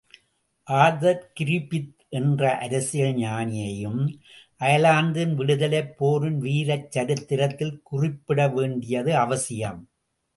Arthur Griffith என்று அரசியல் ஞானியையும் அயர்லாந்தின் விடுதலைப் போரின் வீரச்சரித்திரத்தில் குறிப்பிடவேண்டியது அவசியம்.